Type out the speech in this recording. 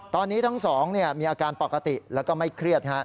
ตอนนี้ทั้งสองมีอาการปกติแล้วก็ไม่เครียด